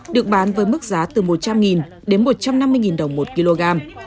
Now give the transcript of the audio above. được bán với mức giá từ một trăm linh đến một trăm năm mươi đồng một kg